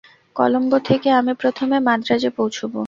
কলম্বো থেকে আমি প্রথমে মান্দ্রাজে পৌঁছব।